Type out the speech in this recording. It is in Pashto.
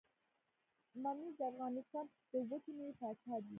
ممیز د افغانستان د وچې میوې پاچا دي.